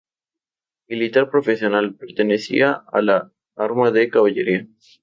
Militar profesional, pertenecía al arma de caballería.